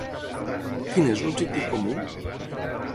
Quin és l'objectiu comú?